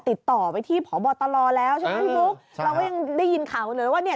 ติดต่อไปที่พบตลแล้วใช่ไหมพี่บุ๊คเราก็ยังได้ยินข่าวเลยว่าเนี่ย